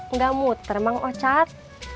nggak muter mang ocat